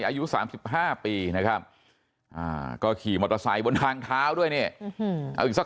อายุสามสิบห้าปีนะครับอ่าก็ขี่มอเตอร์ไซด์บนทางเมื่อที่